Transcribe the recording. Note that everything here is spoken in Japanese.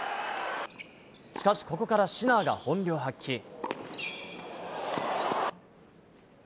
しかし、ここからシナーが本領発揮。